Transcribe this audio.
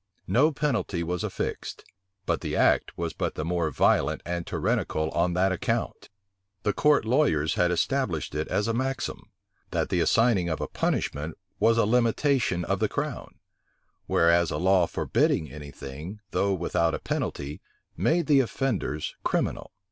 No penalty was affixed; but the act was but the more violent and tyrannical on that account. The court lawyers had established it as a maxim, that the assigning of a punishment was a limitation of the crown; whereas a law forbidding any thing, though without a penalty, made the offenders criminal.